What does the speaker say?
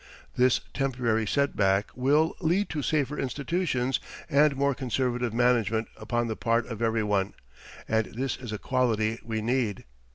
This temporary set back will lead to safer institutions and more conservative management upon the part of everyone, and this is a quality we need.